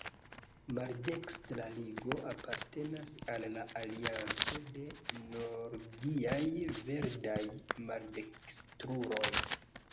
Maldekstra Ligo apartenas al la Alianco de Nordiaj Verdaj Maldekstruloj.